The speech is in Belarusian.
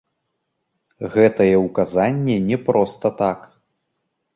Гэтае ўказанне не проста так.